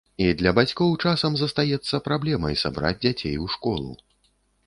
І для бацькоў часам застаецца праблемай сабраць дзяцей у школу.